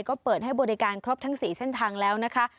ก็เปิดให้บริการครบทั้ง๔เส้นทางแล้วนะคะ